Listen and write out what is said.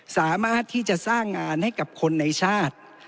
สามารถที่จะสร้างงานให้กับคนในชาติ